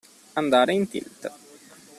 Andare in tilt.